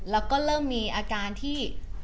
แล้วก็เริ่มมีอาการที่